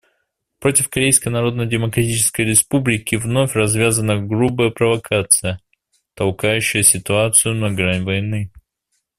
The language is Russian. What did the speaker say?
Против Корейской Народно-Демократической Республики вновь развязана грубая провокация, толкающая ситуацию на грань войны.